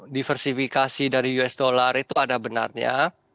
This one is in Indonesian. diversifikasi dari usd itu ada benarnya